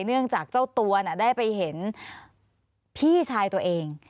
เนื่องจากเจ้าตัวได้ไปเห็นพี่ชายตัวเอง